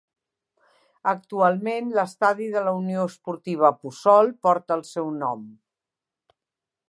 Actualment l'estadi de la Unió Esportiva Puçol porta el seu nom.